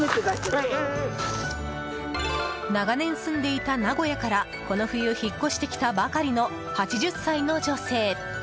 長年住んでいた名古屋からこの冬、引っ越してきたばかりの８０歳の女性。